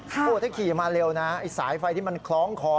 ว่าถ้าขี่มาเร็วสายไฟที่มันคล้องคอ